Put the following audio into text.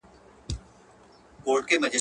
له وهلو له ښکنځلو دواړو خلاص وو `